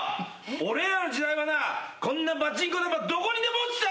俺らの時代はなこんなパチンコ玉どこにでも落ちてたんだよ！